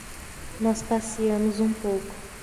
Nós passeamos um pouco